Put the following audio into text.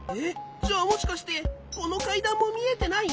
じゃあもしかしてこのかいだんもみえてない？